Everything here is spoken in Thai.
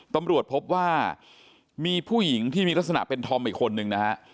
ตำรวจพบว่ามีผู้หญิงที่มีลักษณะเป็นธอมอีกคนนึงนะฮะ